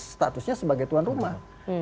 statusnya sebagai tuan rumah